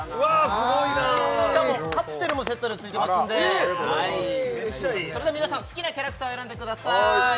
すごいなしかもカプセルもセットでついてますんでそれでは皆さん好きなキャラクターを選んでください